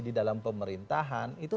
di dalam pemerintahan itu